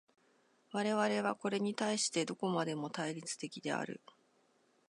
我々はこれに対してどこまでも対立的である。